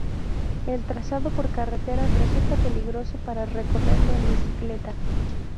El trazado por carretera resulta peligroso para recorrerlo en bicicleta.